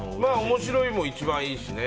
面白いも一番いいしね。